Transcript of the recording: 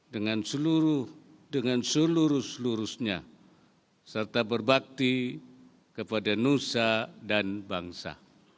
dengan seluruh seluruhnya serta berbakti kepada nusa dan bangsa